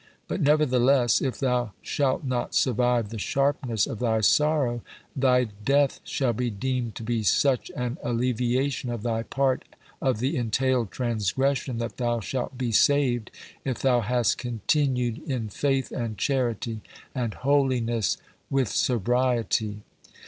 But nevertheless, if thou shalt not survive the sharpness of thy sorrow, thy death shall be deemed to be such an alleviation of thy part of the entailed transgression, that thou shalt be saved, if thou hast CONTINUED in faith and charity, and HOLINESS with SOBRIETY.